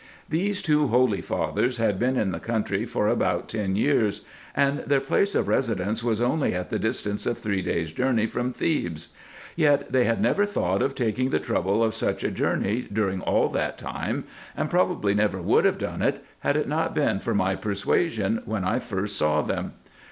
These two holy fathers had been in the country for about ten years, and their place of residence was only at the distance of three days' journey from Thebes ; yet they had never thought of taking the trouble of such a journey during all that time, and probably never would have done it, had it not been for my persuasion when I first saw them.